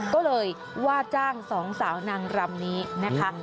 ก็เลยว่าจ้างสองสาวนางรำนี้นะคะ